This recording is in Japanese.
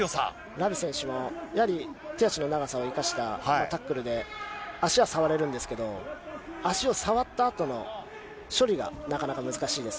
ラビ選手もやはり、手足の長さを生かしたタックルで足は触れるんですけど、足を触ったあとの処理がなかなか難しいですね。